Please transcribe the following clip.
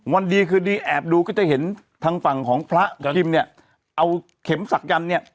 วันดีคืนดีแอบดูก็จะเห็นทางฝั่งของพระกับคิมเนี่ยเอาเข็มศักยันต์เนี่ย